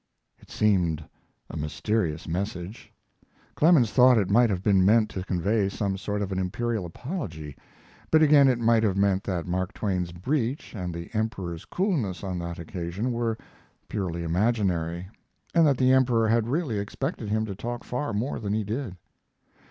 It seemed a mysterious message. Clemens thought it might have been meant to convey some sort of an imperial apology; but again it might have meant that Mark Twain's breach and the Emperor's coolness on that occasion were purely imaginary, and that the Emperor had really expected him to talk far more than he did.